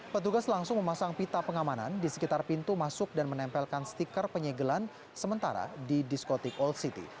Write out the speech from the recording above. petugas langsung memasang pita pengamanan di sekitar pintu masuk dan menempelkan stiker penyegelan sementara di diskotik old city